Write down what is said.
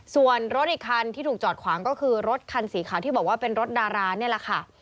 ส่วนรถอีกคันที่ถูกจอดขวางก็คือรถคันสีขาวที่บอกว่าเป็นรถดารานี่แหละค่ะ